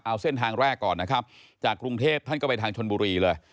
เอาเส้นทางแรกก่อนนะครับจากกรุงเทพท่านก็ไปทางชนบุรีเลย